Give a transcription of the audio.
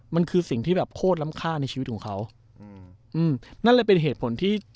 มันคือสิ่งที่แบบโคตรล้ำค่าในชีวิตของเขาอืมอืมนั่นเลยเป็นเหตุผลที่